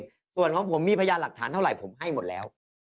พิสูจน์เอาเองส่วนของผมมีพยานหลักฐานเท่าไหร่ผมให้หมดแล้ว